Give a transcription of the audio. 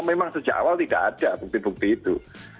memang sejak awal tidak ada bukti bukti itu